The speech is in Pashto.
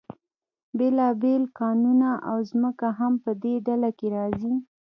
بیلابیل کانونه او ځمکه هم په دې ډله کې راځي.